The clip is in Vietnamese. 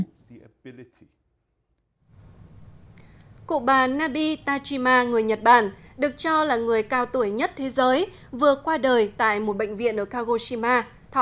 cụ bà nabi tajima người nhật bản được cho là người cao tuổi nhất thế giới vừa qua đời tại một bệnh viện ở kagoshima thọ một trăm một mươi bảy tuổi